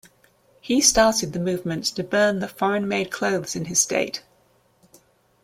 He started the movement to burn the foreign-made clothes in his state.